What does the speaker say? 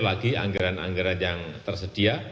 lagi anggaran anggaran yang tersedia